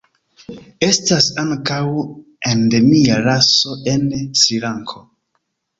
Estas ankaŭ endemia raso en Srilanko.